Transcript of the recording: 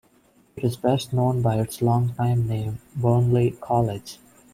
It is best known by its longtime name Burnley College.